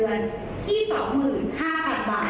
เรารับใช้ประชาชนมา